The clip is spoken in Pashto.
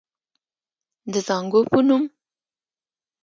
د زانګو پۀ نوم